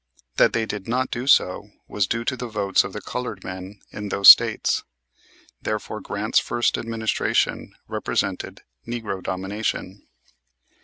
That they did not do so was due to the votes of the colored men in those States. Therefore Grant's first administration represented "Negro Domination."